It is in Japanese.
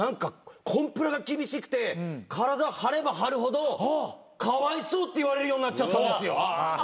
コンプラが厳しくて体張れば張るほどかわいそうって言われるようになっちゃったんですよ。